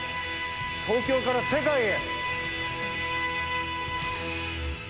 東京から世界へ。